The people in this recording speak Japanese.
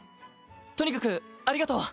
とにかくありがとう。